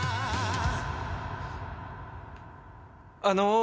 あの。